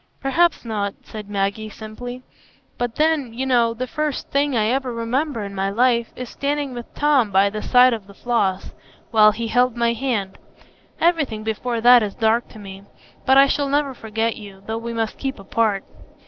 "Perhaps not," said Maggie, simply; "but then, you know, the first thing I ever remember in my life is standing with Tom by the side of the Floss, while he held my hand; everything before that is dark to me. But I shall never forget you, though we must keep apart."